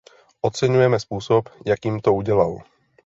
Oceňujeme způsob, jakým to udělal.